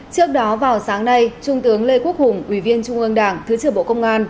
trước đó vào sáng nay trung tướng lê quốc hùng ủy viên trung ương đảng thứ trưởng bộ công an